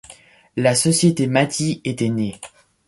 La société Maty était née.